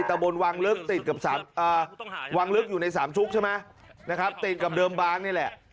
ตะบนวังลึกติดกับวังลึกอยู่ในสามชุกใช่ไหมนะครับติดกับเดิมบางนี่แหละ